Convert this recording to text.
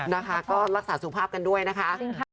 นะคะก็รักษาสุขภาพกันด้วยนะคะ